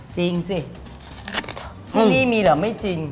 จริงสิที่นี่มีเหรอไม่จริง